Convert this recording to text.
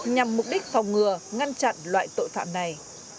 nhằm mục đích phòng ngừa ngăn chặn loại tội phạm này